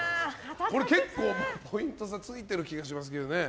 これ結構ポイント差がついてる気がしますけどね。